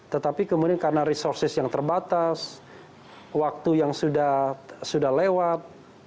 tetapi kemudian karena resources yang terbatas waktu yang sudah lewat